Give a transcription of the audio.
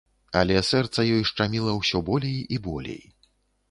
Але сэрца ёй шчаміла ўсё болей і болей.